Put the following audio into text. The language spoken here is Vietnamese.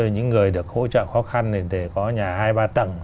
những người được hỗ trợ khó khăn thì có nhà hai ba tầng